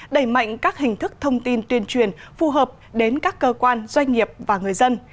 đẩy mạnh các hình thức thông tin tuyên truyền phù hợp đến các cơ quan doanh nghiệp và người dân